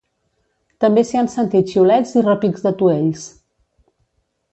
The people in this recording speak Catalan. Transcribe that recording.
També s’hi han sentit xiulets i repics d’atuells.